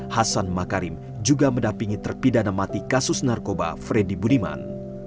hasan makarim juga mendapingi terpidana mati kasus narkoba freddy budiman